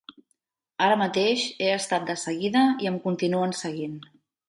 Ara mateix he estat seguida i em continuen seguint.